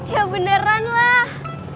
ya beneran lah